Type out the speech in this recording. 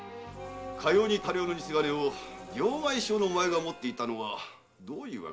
かように多量の偽金を両替商のお前が持っていたのはなぜだ？